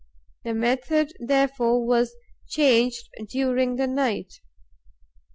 The method, therefore, was changed during the night.